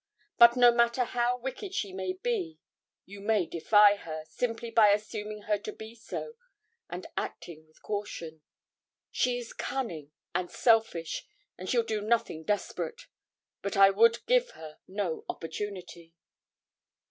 But no matter how wicked she may be, you may defy her, simply by assuming her to be so, and acting with caution; she is cunning and selfish, and she'll do nothing desperate. But I would give her no opportunity.'